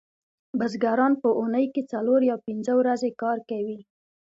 بزګران په اونۍ کې څلور یا پنځه ورځې کار کوي